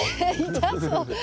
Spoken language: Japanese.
痛そう？